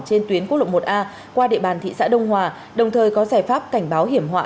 trên tuyến quốc lộ một a qua địa bàn thị xã đông hòa đồng thời có giải pháp cảnh báo hiểm họa